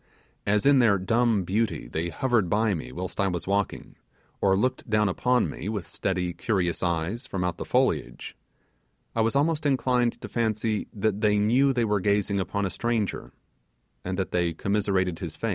As in their dumb beauty they hovered by me whilst I was walking, or looked down upon me with steady curious eyes from out the foliage, I was almost inclined to fancy that they knew they were gazing upon a stranger, and that they commiserated his fate.